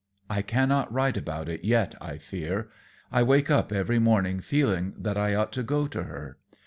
I cannot write about it yet, I fear. I wake up every morning feeling that I ought to go to her.